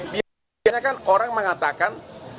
biasanya kan orang mengatakan